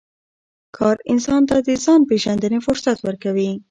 کار انسان ته د ځان د پېژندنې فرصت ورکوي